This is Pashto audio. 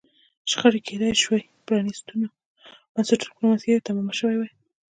شخړې کېدای شوای پرانیستو بنسټونو په رامنځته کېدو تمامه شوې وای.